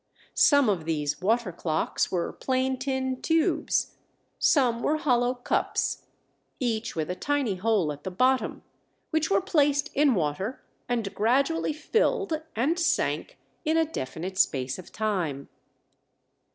Some of these water clocks were plain tin tubes; some were hollow cups, each with a tiny hole at the bottom, which were placed in water and gradually filled and sank in a definite space of time.